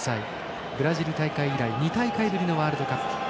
ブラジル大会以来２大会ぶりのワールドカップ。